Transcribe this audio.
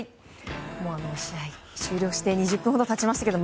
あの試合が終了して１０分ほど経ちましたけど